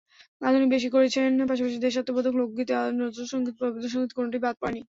আধুনিক বেশি করেছেন, পাশাপাশি দেশাত্মবোধক, লোকগীতি, নজরুলসংগীত, রবীন্দ্রসংগীত কোনোটিই বাদ দেননি।